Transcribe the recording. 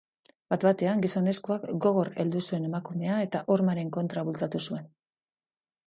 Bat-batean, gizonezkoak gogor heldu zuen emakumea eta hormaren kontra bultzatu zuen.